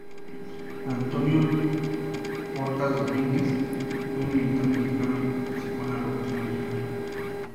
Antonio Portas Domínguez fue un militar mexicano que participó en la Revolución mexicana.